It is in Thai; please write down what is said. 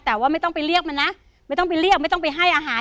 แต่ว่าไม่ต้องไปเรียกมันนะไม่ต้องไปเรียกไม่ต้องไปให้อาหาร